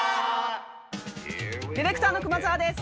ディレクターの熊澤です。